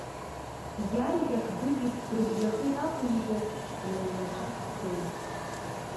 Гьаргь ақдыжә еиԥш дрыбжьахеит акәымзар, днаилаҵәа дцон.